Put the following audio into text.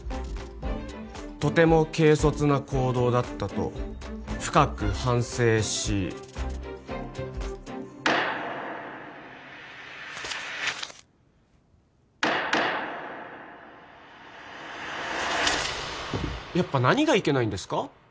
とても軽率な行動だったと深く反省しやっぱ何がいけないんですか？